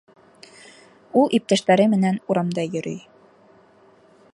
— Ул иптәштәре менән урамда йөрөй.